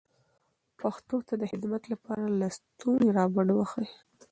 پښتو ته د خدمت لپاره لستوڼي را بډ وهئ.